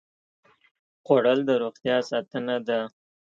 خوړل د روغتیا ساتنه ده